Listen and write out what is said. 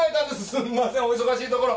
すんませんお忙しいところ。